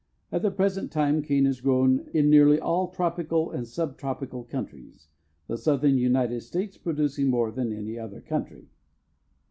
At the present time cane is grown in nearly all tropical and sub tropical countries, the Southern United States producing more than any other country.